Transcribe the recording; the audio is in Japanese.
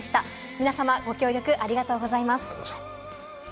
皆さま、ありがとうございます。